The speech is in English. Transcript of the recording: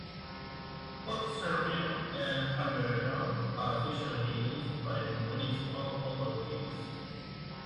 Both Serbian and Hungarian are officially used by municipal authorities.